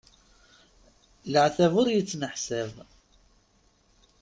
Leɛtab ur yettneḥsab!